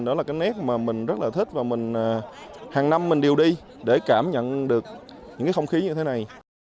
đó là cái nét mà mình rất là thích và mình hàng năm mình điều đi để cảm nhận được những cái không khí như thế này